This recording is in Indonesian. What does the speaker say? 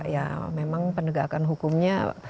ya memang pendegakan hukumnya